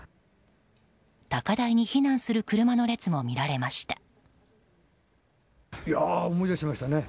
高台に避難する車の列も見られました。